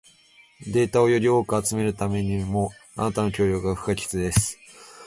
データをより多く集めるためにも、あなたの協力が不可欠です。